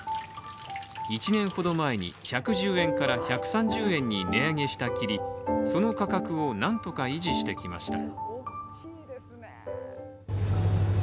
１年ほど前に１１０円から１３０円に値上げしたきりその価格を、なんとか維持してきました。